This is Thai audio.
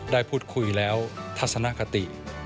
ได้พูดคุยแล้วทัศนคติ